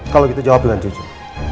kalau gitu jawab dengan jujur